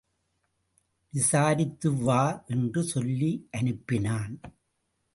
விசாரித்துவா என்று சொல்லி அனுப்பினான்.